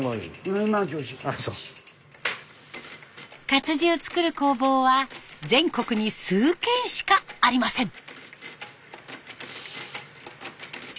活字をつくる工房は全国に数軒しかありません。